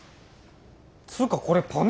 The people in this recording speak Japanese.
つうかこれパネ